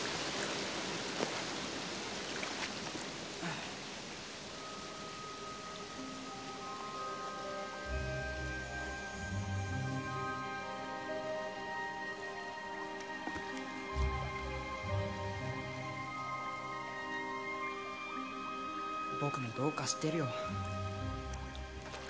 あ僕もどうかしてるよ